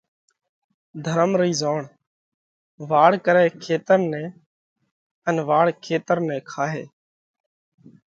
ڌرم رئِي زوڻ ”واڙ ڪرئہ کيتر نئہ ان واڙ کيتر نئہ کائہ۔“: